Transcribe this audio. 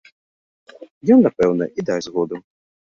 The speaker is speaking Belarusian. Ён, напэўна, і дасць згоду.